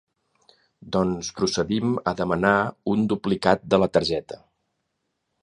Doncs procedim a demanar un duplicat de la targeta.